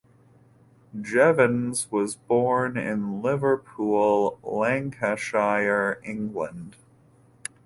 Jevons was born in Liverpool, Lancashire, England.